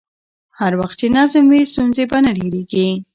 هر وخت چې نظم وي، ستونزې به نه ډېرېږي.